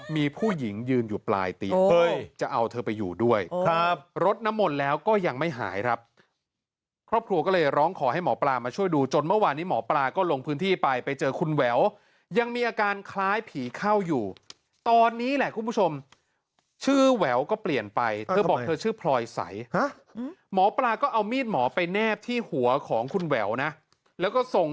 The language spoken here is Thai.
มีผู้หญิงยืนอยู่ปลายเตียงเฮ้ยจะเอาเธอไปอยู่ด้วยครับรดน้ำมนต์แล้วก็ยังไม่หายครับครอบครัวก็เลยร้องขอให้หมอปลามาช่วยดูจนเมื่อวานนี้หมอปลาก็ลงพื้นที่ไปไปเจอคุณแหววยังมีอาการคล้ายผีเข้าอยู่ตอนนี้แหละคุณผู้ชมชื่อแหววก็เปลี่ยนไปเธอบอกเธอชื่อพลอยใสฮะหมอปลาก็เอามีดหมอไปแนบที่หัวของคุณแหววนะแล้วก็ส่ง